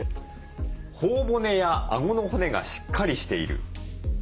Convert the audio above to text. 頬骨やあごの骨がしっかりしている。